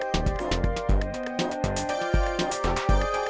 kalau saya mau balik ke pasar